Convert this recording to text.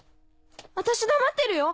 私黙ってるよ